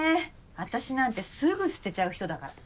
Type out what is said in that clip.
私なんてすぐ捨てちゃう人だから。